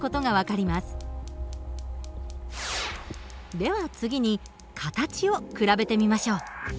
では次に形を比べてみましょう。